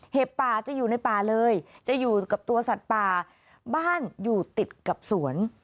ป่าจะอยู่ในป่าเลยจะอยู่กับตัวสัตว์ป่าบ้านอยู่ติดกับสวน